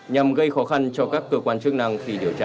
nhằm gây khó khăn cho các cơ quan chức năng khi điều tra